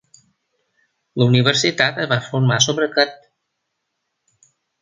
La universitat es va formar sobre aquest.